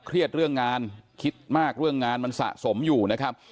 เครียดเรื่องงานคิดมากเรื่องงานมันสะสมอยู่นะครับ